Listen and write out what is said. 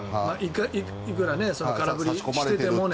いくら空振りしててもね。